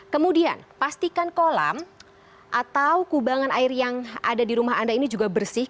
kemudian pastikan kolam atau kubangan air yang ada di rumah anda ini juga bersih